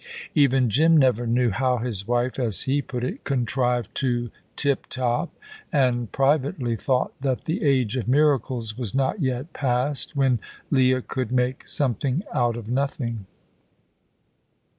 Even Jim never knew how his wife, as he put it, "contrived the tip top"; and privately thought that the age of miracles was not yet past, when Leah could make something out of nothing.